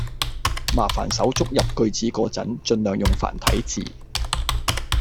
麻煩手足入句子嗰陣，盡量用繁體字